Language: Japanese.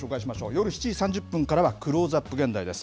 夜７時３０分からはクローズアップ現代です。